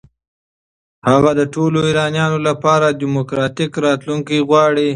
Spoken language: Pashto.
هغه د ټولو ایرانیانو لپاره دموکراتیک راتلونکی غواړي.